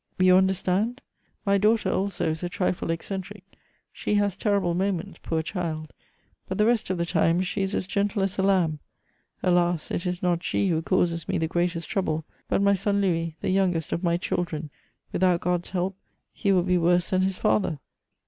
you understand? My daughter also is a trifle eccentric; she has terrible moments, poor child! But the rest of the time she is as gentle as a lamb. Alas, it is not she who causes me the greatest trouble, but my son Louis, the youngest of my children: without God's help, he will be worse than his father!"